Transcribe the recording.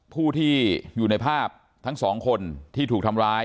ผู้ที่อยู่ในภาพทั้งสองคนที่ถูกทำร้าย